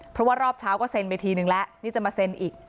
เพราะว่ารอบเช้าก็เซ็นไปทีนึงแล้วนี่จะมาเซ็นอีก